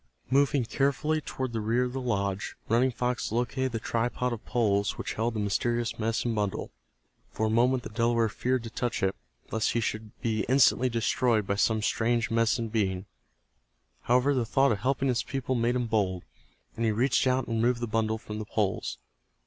Moving carefully toward the rear of the lodge, Running Fox located the tripod of poles which held the mysterious medicine bundle. For a moment the Delaware feared to touch it, lest he should be instantly destroyed by some strange Medicine Being. However, the thought of helping his people made him bold, and he reached out and removed the bundle from the poles.